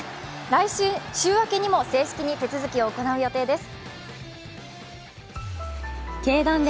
来週週明けにも正式に手続きを行う予定です。